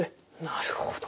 なるほど。